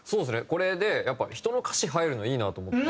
これでやっぱ人の歌詞入るのいいなと思って。